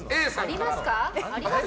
ありますか？